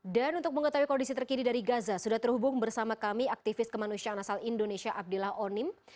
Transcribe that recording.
dan untuk mengetahui kondisi terkini dari gaza sudah terhubung bersama kami aktivis kemanusiaan asal indonesia abdillah onim